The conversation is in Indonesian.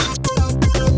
wah keren banget